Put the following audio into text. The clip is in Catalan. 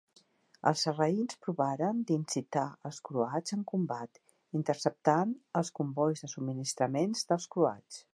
Els sarraïns provaren d'incitar els croats en combat, interceptant els combois de subministraments dels croats.